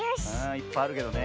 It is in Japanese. いっぱいあるけどね。